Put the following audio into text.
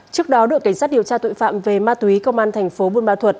trước đó đội cảnh sát điều tra tội phạm về ma túy công an thành phố buôn ma thuật